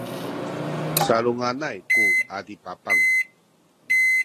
salunganay ku adipapang